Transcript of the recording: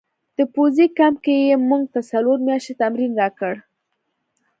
په پوځي کمپ کې یې موږ ته څلور میاشتې تمرین راکړ